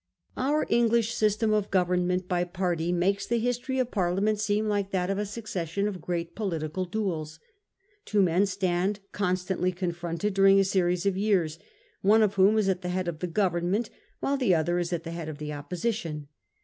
Our English system of government by party makes the history of Parliament seem like that of a succession of a great political duels. Two men stand constantly confronted during a series of years, one of whom is at the head of the Government, while the other is at the head of the Opposition.